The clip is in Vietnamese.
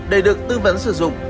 để được tư vấn sử dụng